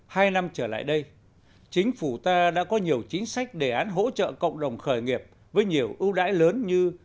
hai năm trở lại đây chính phủ ta đã có nhiều chính sách đề án hỗ trợ cộng đồng khởi nghiệp với nhiều ưu đãi lớn như